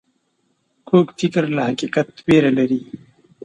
کوږ فکر له حقیقت ویره لري